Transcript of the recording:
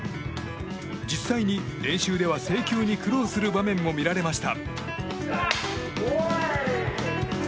実際に練習では制球に苦労する場面も見られました。